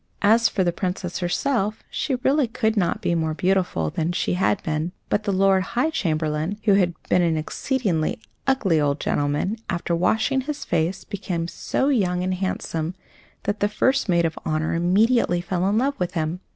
As for the Princess herself, she really could not be more beautiful than she had been; but the Lord High Chamberlain, who had been an exceedingly ugly old gentleman, after washing his face, became so young and handsome that the First Maid of Honour immediately fell in love with him.